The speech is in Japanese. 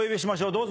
どうぞ。